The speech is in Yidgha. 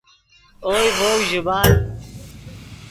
اوئے ڤؤ ژیبان